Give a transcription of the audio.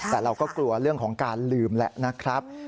แต่เราก็กลัวเรื่องของการลืมแหละนะครับ